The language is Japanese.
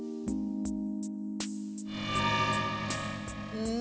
うん。